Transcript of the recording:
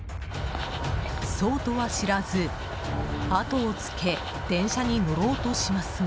そうとは知らず、後をつけ電車に乗ろうとしますが。